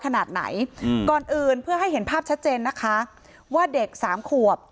ขนาดไหนอืมก่อนอื่นเพื่อให้เห็นภาพชัดเจนนะคะว่าเด็กสามขวบ